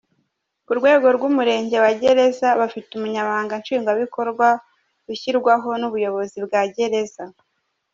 Ku rwego rw’umurenge wa Gereza, bafite Umunyamabanga Nshingwabikorwa ushyirwaho n’Ubuyobozi bwa Gereza.